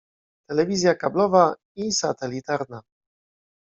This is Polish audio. Telewizja kablowa i satelitarna.